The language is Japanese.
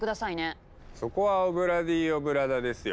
そこは「オブ・ラ・ディオブ・ラ・ダ」ですよ。